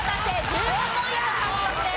１５ポイント獲得です。